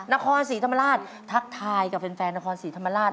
นครศรีธรรมราชทักทายกับแฟนนครศรีธรรมราช